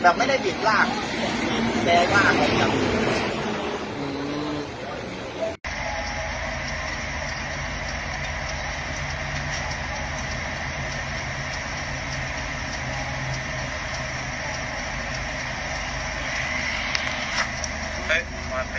แบบไม่ได้หยิดร่างแบรนด์ร่างแบบนั้นแหล่ะ